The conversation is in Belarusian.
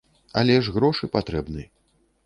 Але ж грошы патрэбны.